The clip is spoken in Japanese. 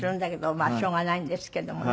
まあしょうがないんですけどもね。